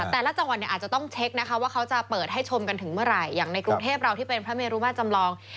บริธีพรรษนามหลวงแล้วก็ที่พระเมรุมาตรจำลอง